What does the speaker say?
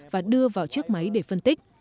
và đưa vào chiếc máy để phân tích